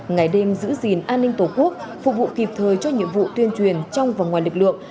ngày đêm giữ gìn an ninh tổ quốc phục vụ kịp thời cho nhiệm vụ tuyên truyền trong và ngoài lực lượng